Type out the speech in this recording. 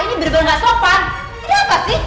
ini bener bener gak sopan ini apa sih